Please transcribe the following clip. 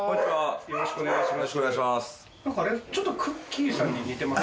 よろしくお願いします。